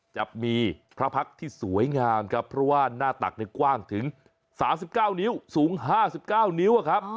จะมีพระพักษ์ที่สวยงามครับเพราะว่าหน้าตักกว้างถึง๓๙นิ้วสูง๕๙นิ้วครับ